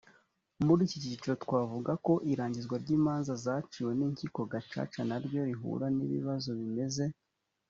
muri iki cyiciro twavuga ko irangizwa ry imanza zaciwe n inkiko gacaca na ryo rihura n ibibazo bimeze